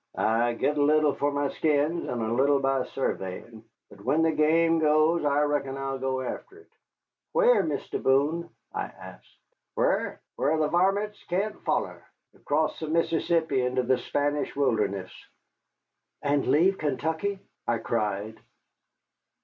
"I get a little for my skins, and a little by surveyin'. But when the game goes I reckon I'll go after it." "Where, Mr. Boone?" I asked. "Whar? whar the varmints cyant foller. Acrost the Mississippi into the Spanish wilderness." "And leave Kentucky?" I cried.